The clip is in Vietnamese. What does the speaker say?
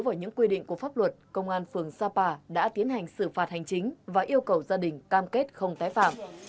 với những quy định của pháp luật công an phường sapa đã tiến hành xử phạt hành chính và yêu cầu gia đình cam kết không tái phạm